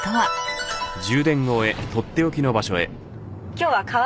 今日は。